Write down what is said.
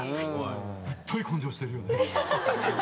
ぶっとい根性してるよね。